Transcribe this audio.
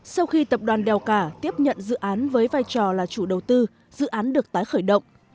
sau khi tập đoàn đèo cả tiếp nhận dự án với vai trò là chủ đầu tư dự án được tái khởi động